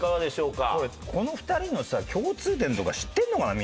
この２人のさ共通点とか知ってんのかな？